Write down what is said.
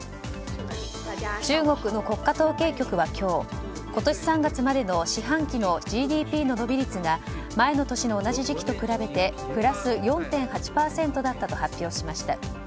中国の国家統計局は今日今年３月までの四半期のＧＤＰの伸び率が前の年の同じ時期と比べてプラス４．８％だったと発表しました。